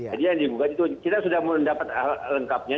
jadi yang digugat itu kita sudah mendapatkan lengkapnya